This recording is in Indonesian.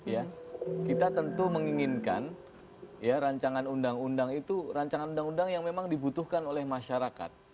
ya kita tentu menginginkan ya rancangan undang undang itu rancangan undang undang yang memang dibutuhkan oleh masyarakat